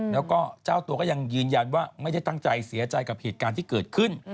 แล้วก็เจ้าตัวก็ยังยืนยันว่าไม่ได้ตั้งใจเสียใจกับเหตุการณ์ที่เกิดขึ้น